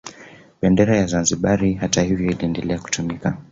Bendera ya Zanzibar hata hivyo iliendelea kutumika